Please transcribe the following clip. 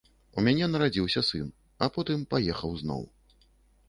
У мяне нарадзіўся сын, а потым паехаў зноў.